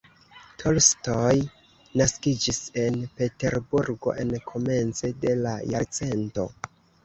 Tolstoj naskiĝis en Peterburgo en komence de la jarcento.